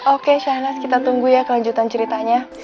oke syahnaz kita tunggu yakaniterin ceritanya